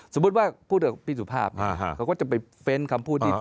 สมมุติว่าพูดกับพี่สุภาพเขาก็จะไปเฟ้นคำพูดที่